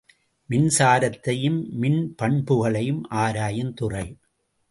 மின்சாரத்தையும் மின்பண்புகளையும் ஆராயுந்துறை.